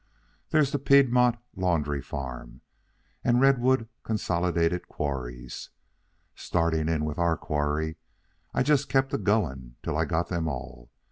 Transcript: There's the Piedmont Laundry Farm, and Redwood Consolidated Quarries. Starting in with our quarry, I just kept a going till I got them all.